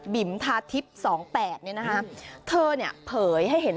บิ่มธาฮิตสองแปะนี้นะฮะเขาเนี้ยเผยให้เห็น